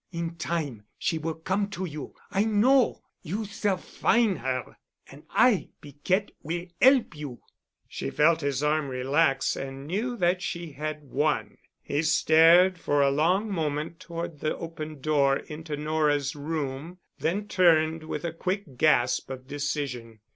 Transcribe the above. In time she will come to you. I know. You s'all fin' 'er. An' I, Piquette, will 'elp you." She felt his arm relax and knew that she had won. He stared for a long moment toward the open door into Nora's room, then turned with a quick gasp of decision.